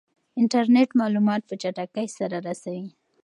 انټرنیټ معلومات په چټکۍ سره رسوي.